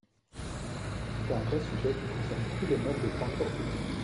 C’est un vrai sujet qui concerne tous les modes de transport public.